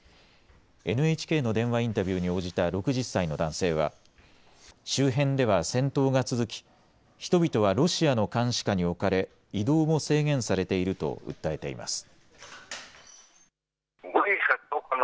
ＮＨＫの電話インタビューに応じた６０歳の男性は周辺では戦闘が続き、人々はロシアの監視下に置かれ移動も制限されていると訴えています。